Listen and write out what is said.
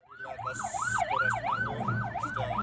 pol restem anggung jawa tengah